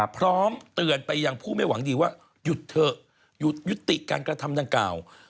พร้อมเตือนไปอย่างผู้ไม่หวังดีว่า